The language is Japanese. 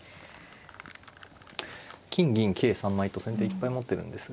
金銀桂３枚と先手いっぱい持ってるんですが。